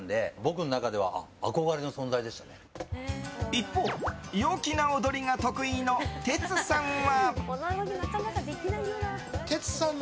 一方、陽気な踊りが得意のテツさんは。